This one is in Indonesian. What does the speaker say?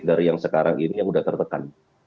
dari yang sekarang ini yang sudah tertekan